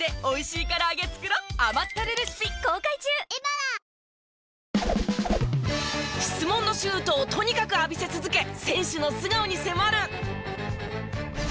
わかるぞ質問のシュートをとにかく浴びせ続け選手の素顔に迫る！